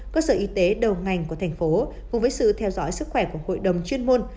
cơ sở y tế đầu ngành của thành phố cùng với sự theo dõi sức khỏe của hội đồng chuyên môn